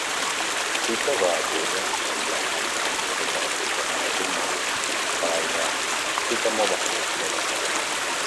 Cyta va acordar canviar el nom de les seves operacions de telèfon mòbil per el de Cytamobile-Vodafone.